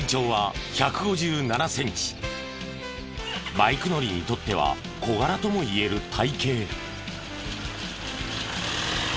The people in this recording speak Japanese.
バイク乗りにとっては小柄ともいえる体形。